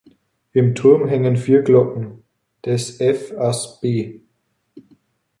Im Turm hängen vier Glocken: des–f–as–b.